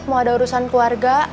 mau ada urusan keluarga